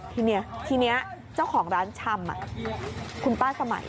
ทีนี้เจ้าของร้านชำคุณตาสมัย